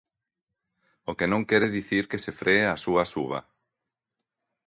O que non quere dicir que se free a súa suba.